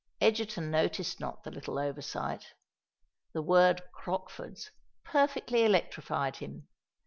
Egerton noticed not the little oversight. The word "Crockford's" perfectly electrified him.